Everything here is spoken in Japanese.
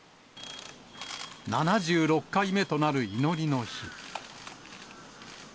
７６回目となる祈りの日。